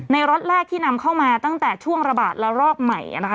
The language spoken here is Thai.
ล็อตแรกที่นำเข้ามาตั้งแต่ช่วงระบาดและรอกใหม่นะคะ